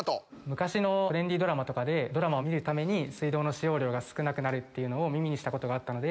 昔のトレンディードラマとかでドラマを見るために水道の使用量が少なくなるっていうのを耳にしたことがあったので。